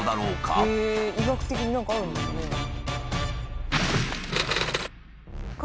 医学的に何かあるんですかね？